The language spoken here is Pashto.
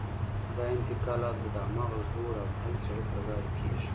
دا انتقالات به د هماغه زوړ او تنګ سړک له لارې کېږي.